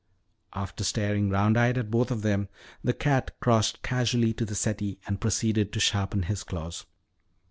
After staring round eyed at both of them, the cat crossed casually to the settee and proceeded to sharpen his claws.